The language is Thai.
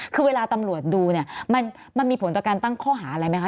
คือเวลาตำรวจดูเนี่ยมันมีผลต่อการตั้งข้อหาอะไรไหมคะ